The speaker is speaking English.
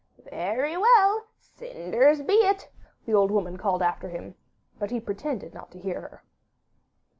'Very well, cinders be it,' the old woman called after him, but he pretended not to hear her.